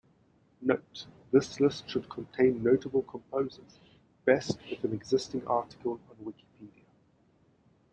Note: This list should contain notable composers, best with an existing article on Wikipedia.